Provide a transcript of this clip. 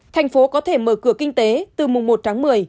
thành phố có thể mở cửa kinh tế từ mùng một tháng một mươi